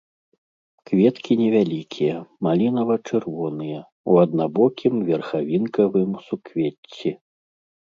Кветкі невялікія, малінава-чырвоныя, у аднабокім верхавінкавым суквецці.